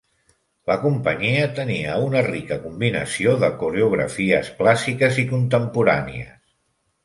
La companyia tenia una rica combinació de coreografies clàssiques i contemporànies.